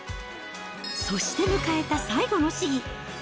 そして迎えた最後の試技。